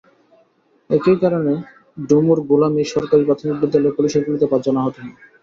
একই কারণে ডুমুর গোলামী সরকারি প্রাথমিক বিদ্যালয়ে পুলিশের গুলিতে পাঁচজন আহত হন।